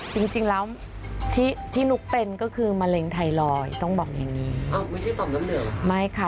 จริงจริงแล้วที่ที่นุ๊กเป็นก็คือมะเร็งไทรอยด์ต้องบอกอย่างนี้ไม่ใช่ต่อมน้ำเหลืองไม่ค่ะ